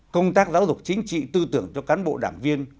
công tác giáo dục chính trị tư tưởng cho cán bộ đảng viên